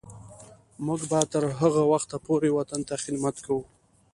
موږ به تر هغه وخته پورې وطن ته خدمت کوو.